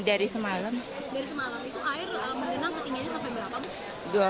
dari semalam itu air menenang ketingginya sampai berapa